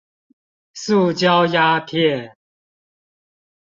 塑膠鴉片